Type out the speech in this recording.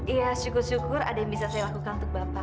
iya syukur syukur ada yang bisa saya lakukan untuk bapak